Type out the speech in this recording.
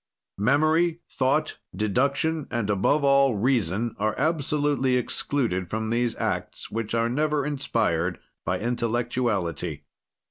"Memory, thought, deduction, and, above all, reason are absolutely excluded from these acts, which are never inspired by intellectuality.